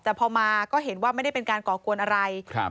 แต่พอมาก็เห็นว่าไม่ได้เป็นการก่อกวนอะไรครับ